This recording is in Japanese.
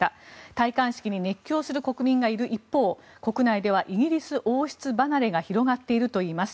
戴冠式に熱狂する国民がいる一方国内ではイギリス王室離れが広がっているといいます。